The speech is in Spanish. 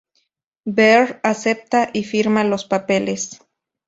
Veer acepta y firma los papeles.